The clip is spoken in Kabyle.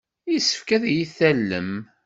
Yessefk ad iyi-tallem.